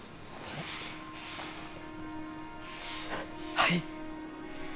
はい。